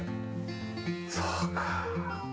そうか。